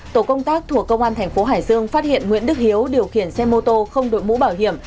tổ công tác thuộc công an thành phố hải dương phát hiện nguyễn đức hiếu điều khiển xe mô tô không đội mũ bảo hiểm